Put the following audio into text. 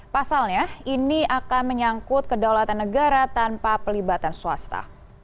pasalnya ini akan menyangkut kedaulatan negara tanpa pelibatan swasta